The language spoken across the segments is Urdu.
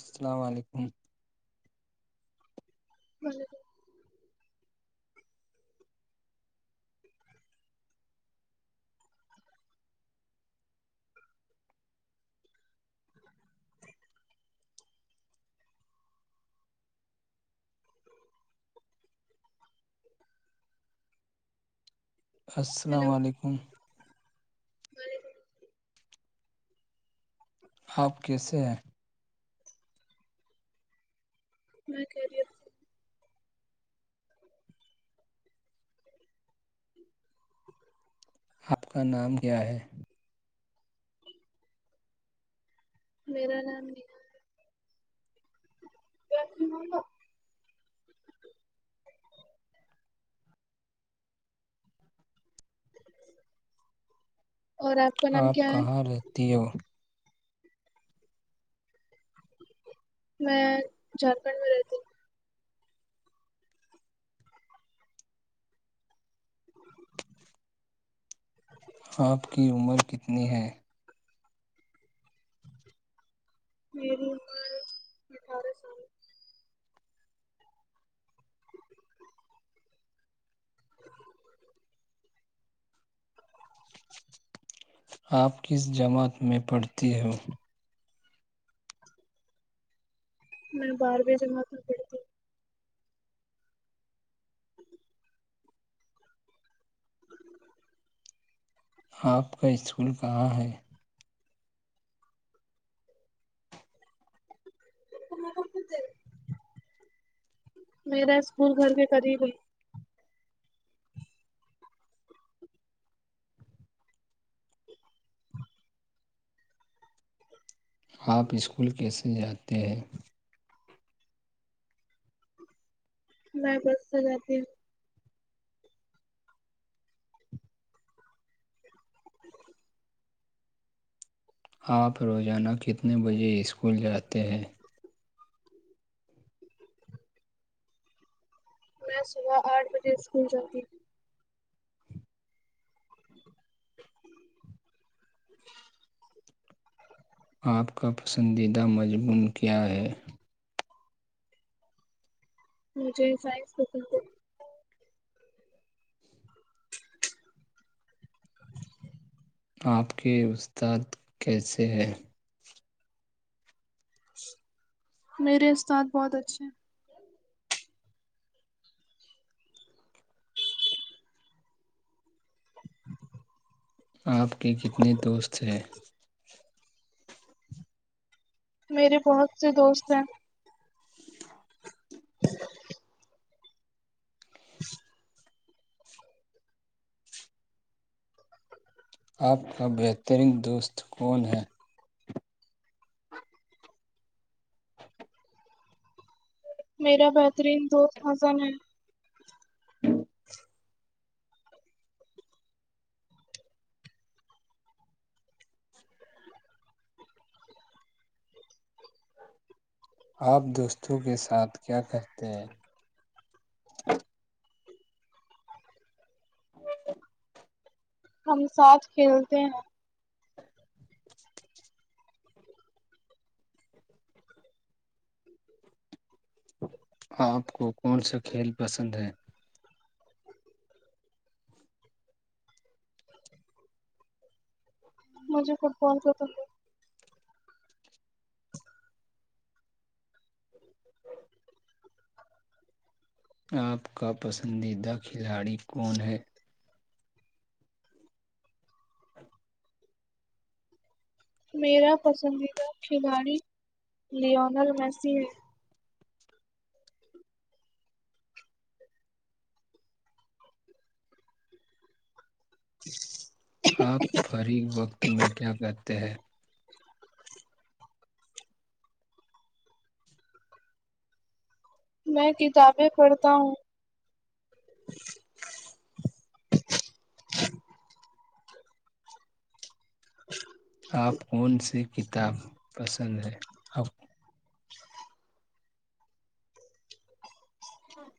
السلام علیکم ہی السلام علیکم ج آپ کیسے ہیں میں کہہ رہی ہوں آپ کا نام کیا ہے میرا نام ا اور آپ کا نام آپ کیا ہے کہاں لیتی ہو میں جھارکھنڈ میں رہتی ہ آپ کی عمر کتنی ہے م بٹار س آپ کس جماعت میں پڑھتی ہو میں بارہویں جمع کر پڑتی ہ آپ کا اسکول کہاں ہے میرا اسکول گھر کے قریب آپ اسکول کیسے جاتے ہیں ب بستے جاتے آپ روزانہ کتنے بجے اسکول جاتے ہیں میں صبح آٹھ بجے اسکول جاتی ہوں [inaudible] آپ کا پسندیدہ مضمون کیا ہے مجھے سائز پسند آپ کے استاد کیسے ہیں میرے استاد بہت اچھے ہیں آپ کے کتنے دوست ہیں میرے بہت سے دوست ہیں [inaudible] آپ کا بہترین دوست کون ہے میرا بہترین دوست ہزن ہے آپ دوستوں کے ساتھ کیا کرتے ہیں ہ ہم ساتھ کھیلتے ہیں آپ کو کون سا کھیل پسند ہے مجھے فٹ بال خ ج آپ کا پسندیدہ کھلاڑی کون ہے میرا پسندیدہ کھلاڑی لیونل میسی ہے جی آپ فریغ وقت میں کیا کہتے ہیں میں کتابیں پڑھتا ہوں [inaudible] [inaudible] آپ کون سی کتاب پسند ہے آ ہاں [inaudible]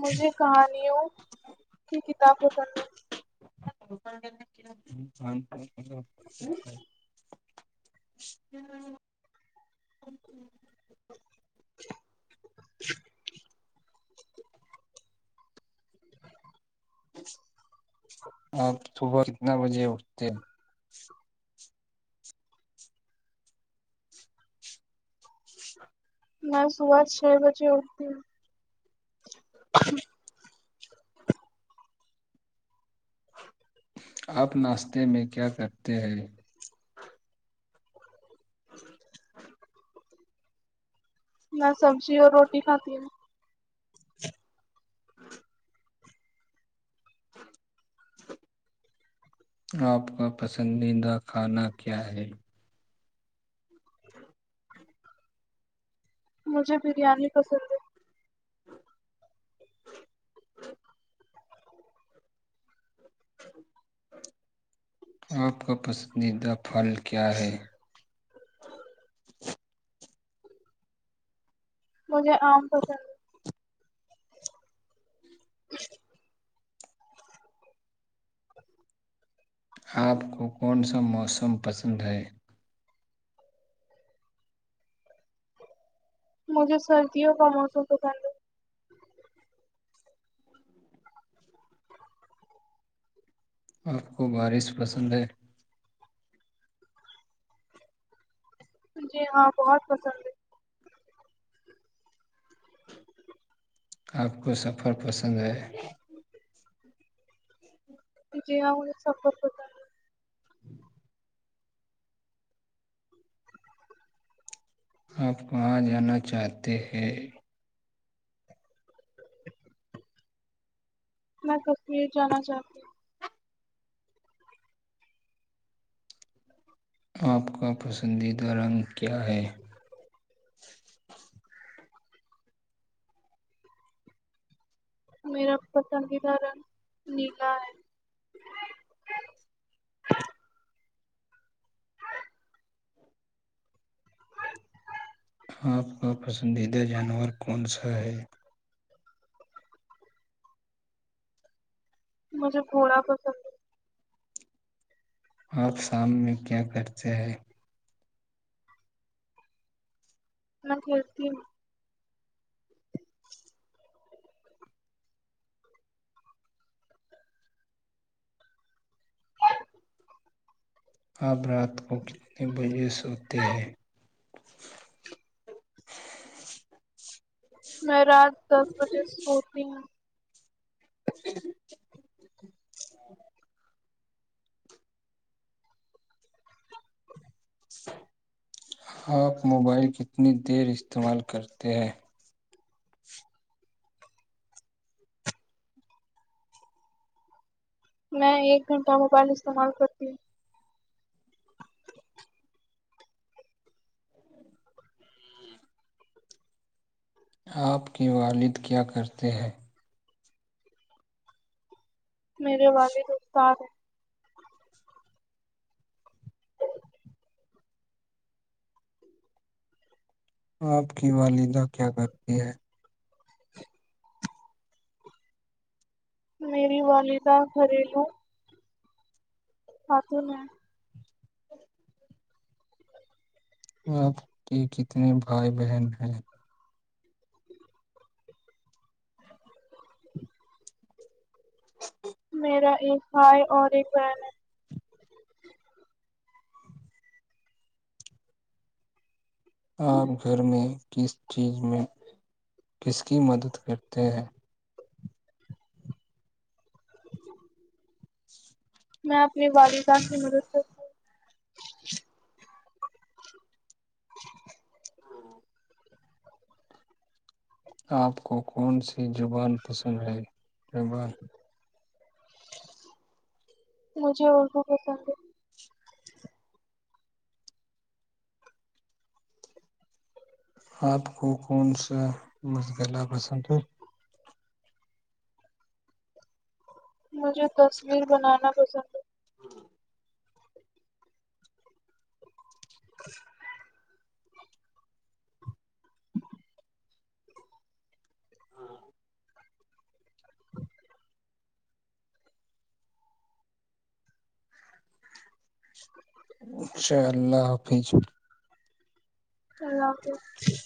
مجھے کہانیوں کی کتاب پسند ہے [inaudible] ہ [inaudible] آپ صبح کتنا بجے اٹھتے ہیں میں صبح چھ بجے اٹھتی ہوں [inaudible] آپ ناشتے میں کیا کرتے ہیں میں سبزی اور روٹی کھاتی ہوں ہاں [inaudible] آپ کا پسندیدہ کھانا کیا ہے مجھے بریانی پسند ہے آپ کا پسندیدہ پھل کیا ہے مجھے آم پسند [inaudible] آپ کو کون سا موسم پسند ہے مجھے سردیوں کا موسم توسند آپ کو بارش پسند ہے جی ہاں بہت پسند ہے آپ کو سفر پسند ہے جے ہ سفر کرتا ہ ج آپ کہاں جانا چاہتے ہیں میں کشمیر جانا چاہتی ہوں آپ کا پسندیدہ رنگ کیا ہے میرا پسندیدہ رنگ نیلا ہے آپ کا پسندیدہ جانور کون سا ہے مجھے گھوڑا پسند ہے آپ شام میں کیا کرتے ہیں میں کھیلتی ہوں آب رات کو کتنے بجے سوتے ہیں میں رات دس بجے سوتی ہوں [inaudible] آپ موبائل کتنی دیر استعمال کرتے ہیں میں ایک گھنٹہ موبائل استعمال کرتی ہوں آپ کے والد کیا کرتے ہیں میرے والد دوستتاار ہیں آپ کی والدہ کیا کرتی ہے میری والدہ گھریلو آات ہیں آپ کے کتنے بھائی بہن ہیںن میرا ایک بھائی اور ایک بہن ہے آپ گھر میں کس چیز میں کس کی مدد کرتے ہیں [inaudible] میں اپنے والدان کی مدد کرتی آپ کو کون سی زبان پسند ہے زبان مجھے ا کو بے آپ کو کون سا مشغلہ پسند ہے مجھے تصویر بنانا پسند ہے [inaudible] [inaudible] اچھا اللہ حافظ اللہ حافظ